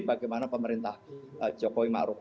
bagaimana pemerintah jokowi ma'ruf